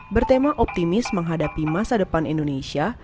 bertema optimis menghadapi masa depan indonesia